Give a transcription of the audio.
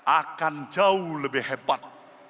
akan jauh lebih hebat